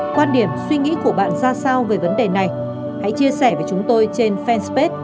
quan điểm suy nghĩ của bạn ra sao về vấn đề này hãy chia sẻ với chúng tôi trên fanpage